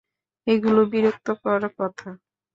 এগুলো বিরক্তিকর কথা।